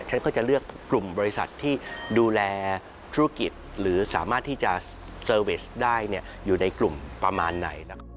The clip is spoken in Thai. ฉันก็จะเลือกกลุ่มบริษัทที่ดูแลธุรกิจหรือสามารถที่จะเซอร์เวชได้อยู่ในกลุ่มประมาณไหน